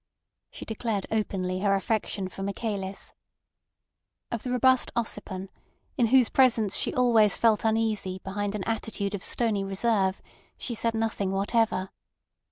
She declared openly her affection for Michaelis. Of the robust Ossipon, in whose presence she always felt uneasy behind an attitude of stony reserve, she said nothing whatever.